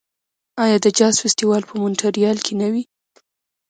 آیا د جاز فستیوال په مونټریال کې نه وي؟